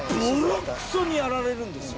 ボロクソにやられるんですよ。